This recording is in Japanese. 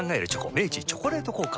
明治「チョコレート効果」